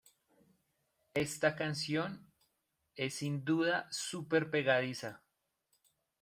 Esta canción es sin duda súper pegadiza"".